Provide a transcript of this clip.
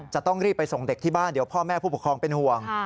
จะต้องรีบไปส่งเด็กที่บ้านเดี๋ยวพ่อแม่ผู้ปกครองเป็นห่วง